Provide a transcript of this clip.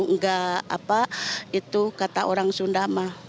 enggak apa itu kata orang sundama